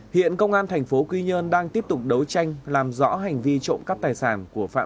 hiện công an thành phố quy nhơn đang tiếp tục đấu tranh làm rõ hành vi trộm cắp tài sản của phạm